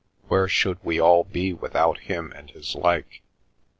Where should we all be without him and his like?